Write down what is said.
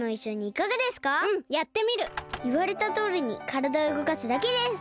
いわれたとおりにからだをうごかすだけです。